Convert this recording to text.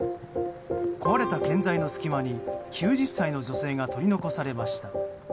壊れた建材の隙間に９０歳の女性が取り残されました。